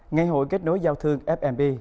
ngày hội kết nối giao thương fnb